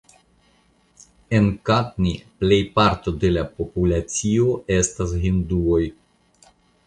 En Katni plejparto de la populacio estas hinduoj.